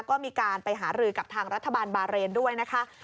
ก็มีการไปหารือกับทางรัฐบาลบาเรนด้วยนะคะ